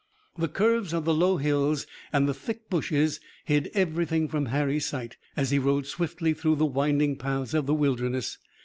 The curves of the low hills and the thick bushes hid everything from Harry's sight, as he rode swiftly through the winding paths of the Wilderness.